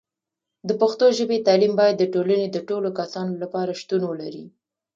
د پښتو ژبې تعلیم باید د ټولنې د ټولو کسانو لپاره شتون ولري.